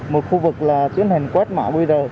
một khu vực là tiến hành quét mã qr